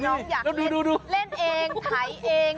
น้องอยากเล่นเองถ่ายเอง